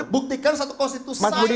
buktikan satu konstitusi